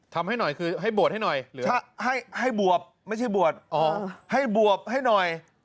ทำให้หน่อยคือให้บวชให้หน่อยหรือให้บวบไม่ใช่บวชให้บวบให้หน่อย